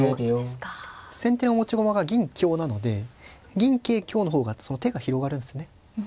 先手の持ち駒が銀香なので銀桂香の方が手が広がるんですね。